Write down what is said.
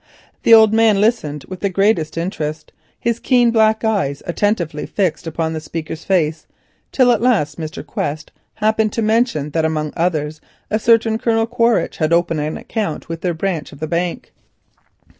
The old man listened with the greatest interest, his keen black eyes attentively fixed upon the speaker's face, till at last Mr. Quest happened to mention that amongst others a certain Colonel Quaritch had opened an account with their branch of the bank.